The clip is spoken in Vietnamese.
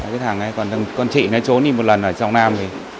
cái thằng ấy còn con chị nó trốn đi một lần ở trong nam